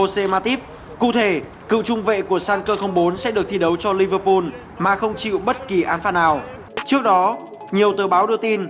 xin kính chào và hẹn gặp lại